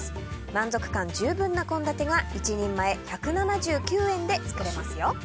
満足感十分な献立が１人前、１７９円で作れますよ。